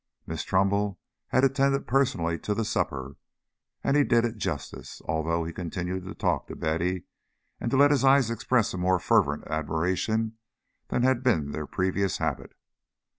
Miss Trumbull had attended personally to the supper, and he did it justice, although he continued to talk to Betty and to let his eyes express a more fervent admiration than had been their previous habit.